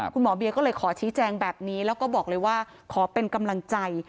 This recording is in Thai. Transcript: คุณหมอเบียก็เลยขอชี้แจงแบบนี้แล้วก็บอกเลยว่าขอเป็นกำลังใจ